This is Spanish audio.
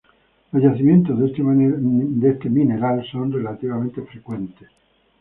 Los yacimientos de este mineral son relativamente frecuentes.